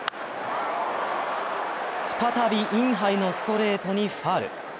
再びインハイのストレートにファウル。